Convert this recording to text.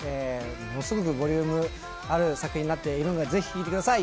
ものすごくボリュームある作品になっているのでぜひ聴いてください